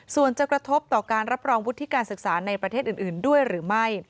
ส่วนจะกระทบต่อการรับรองวุฒิการศึกษาในประเทศอื่นด้วยหรือไม่